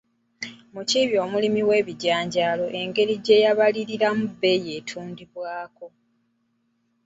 Mukiibi omulimi w’ebijanjaalo engeri gye yabaliriramu ebbeeyi etundirwako.